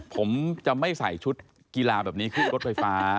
ผมจะไม่ใส่ชุดกีฬาแบบนี้ขึ้นรถไฟฟ้า